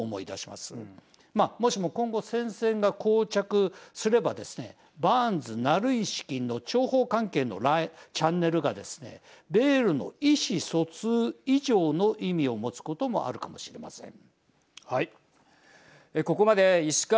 まあ、もしも今後戦線がこう着すればですねバーンズ・ナルイシキンの諜報関係のチャンネルがですね米ロの意思疎通以上の意味をもつこともあるかもしれません。